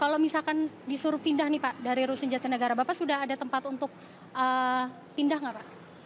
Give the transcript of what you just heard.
kalau misalkan disuruh pindah nih pak dari rusun jatinegara bapak sudah ada tempat untuk pindah nggak pak